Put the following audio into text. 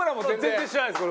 全然知らないです